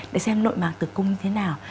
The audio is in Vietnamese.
để xem nội mạc tử cung như thế nào